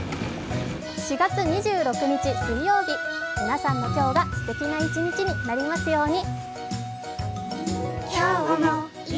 ４月２６日水曜日皆さんの今日がすてきな一日になりますように。